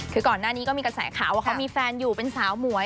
คือก่อนหน้านี้ก็มีกระแสข่าวว่าเขามีแฟนอยู่เป็นสาวหมวย